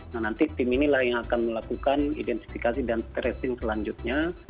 nah nanti tim inilah yang akan melakukan identifikasi dan tracing selanjutnya